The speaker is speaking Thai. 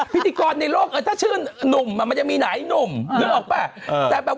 พิธีกรในโลกเอ่อถ้าชื่อนุ่มอะมันจะนายออกแปะก็เปล่าแต่แบบ